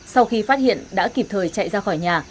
sau khi phát hiện đã kịp thời chạy ra khỏi nhà